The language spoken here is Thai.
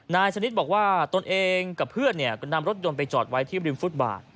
นายชนิดบอกว่าตนเองกับเพื่อนก็นำรถยนต์ไปจอดไว้ที่ริมฟุตบาท